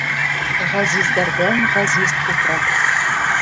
ҒӘЗИЗДӘРҘӘН-ҒӘЗИЗ ТУПРАҠ